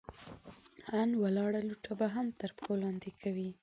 ان ولاړه لوټه به هم تر پښو لاندې کوئ!